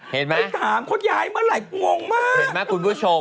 เห็นมั้ยไม่ถามคนยายเมื่อไหร่งงมากเห็นมั้ยคุณผู้ชม